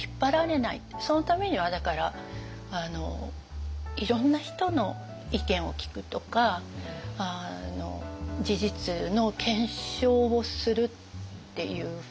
そのためにはだからいろんな人の意見を聞くとか事実の検証をするっていうことなんじゃないかなと思うんですよね。